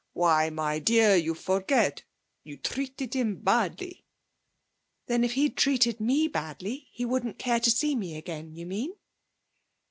'Why, my dear, you forget you treated him badly!' 'Then, if he'd treated me badly he wouldn't care to see me again, you mean?'